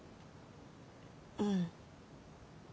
うん。